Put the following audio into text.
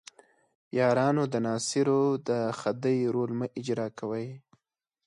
یارانو د ناصرو د خدۍ رول مه اجراء کوئ.